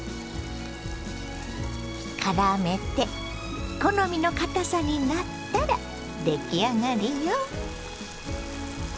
からめて好みのかたさになったら出来上がりよ。